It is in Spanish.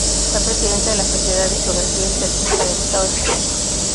Fue presidente de la Sociedad de Geografía y Estadística del Estado de Jalisco.